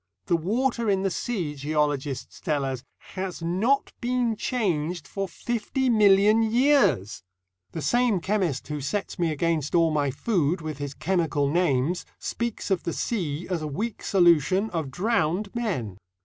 The water in the sea, geologists tell us, has not been changed for fifty million years! The same chemist who sets me against all my food with his chemical names speaks of the sea as a weak solution of drowned men.